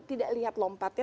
tidak lihat lompatnya